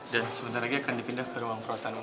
dan sebentar lagi akan dipindah ke ruang perotanmu